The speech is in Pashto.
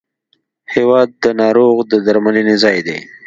هېواد د ناروغ د درملنې ځای دی.